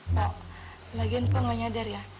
pak lagian pak nggak nyadar ya